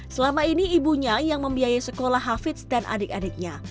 selama ini ibunya yang membiayai sekolah hafidz dan adik adiknya